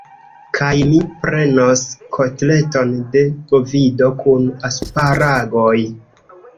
Kaj mi prenos kotleton de bovido kun asparagoj.